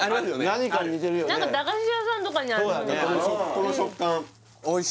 何か駄菓子屋さんとかにあるそうだね